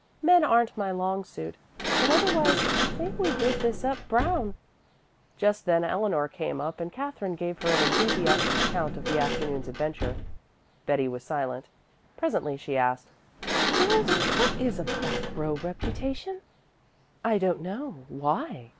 Men aren't my long suit. But otherwise I think we did this up brown." Just then Eleanor came up, and Katherine gave her an enthusiastic account of the afternoon's adventure. Betty was silent. Presently she asked, "Girls, what is a back row reputation?" "I don't know. Why?"